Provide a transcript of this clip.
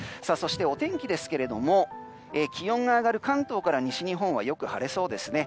そして、お天気ですが気温が上がる関東から西日本はよく晴れそうです。